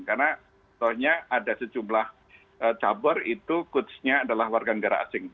karena soalnya ada sejumlah sabar itu kursinya adalah warga negara asing